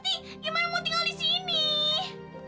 nih gimana mau tinggal di sini